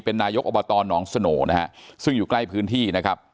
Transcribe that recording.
นายกอบตหนองสโหน่นะฮะซึ่งอยู่ใกล้พื้นที่นะครับ